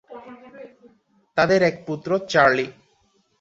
তাদের এক পুত্র, চার্লি।